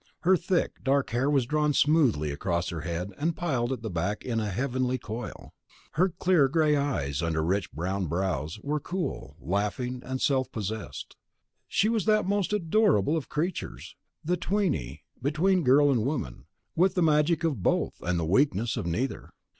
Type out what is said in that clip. Her thick, dark hair was drawn smoothly across her head and piled at the back in a heavenly coil. Her clear gray eyes, under rich brown brows, were cool, laughing, and self possessed. She was that most adorable of creatures, the tweenie, between girl and woman, with the magic of both and the weaknesses of neither.